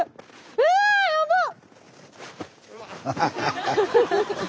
うわやばっ！